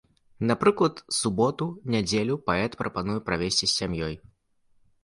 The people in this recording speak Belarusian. Напрыклад, суботу-нядзелю паэт прапануе правесці з сям'ёй.